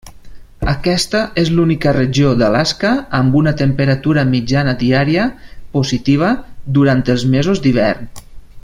Aquesta és l'única regió d'Alaska amb una temperatura mitjana diària positiva durant els mesos d'hiverns.